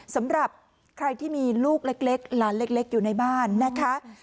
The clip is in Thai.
สำหรับใครที่มีลูกเล็กหลานเล็กอยู่ในบ้านนะคะ